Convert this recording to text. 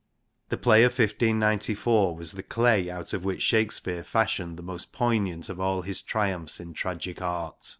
The play of 1 594 was the clay out of which Shakespeare fashioned the most poignant of all his triumphs in tragic art.